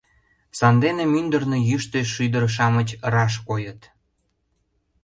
Сандене мӱндырнӧ йӱштӧ шӱдыр-шамыч раш койыт.